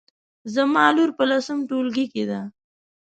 زما لور په لسم ټولګي کې ده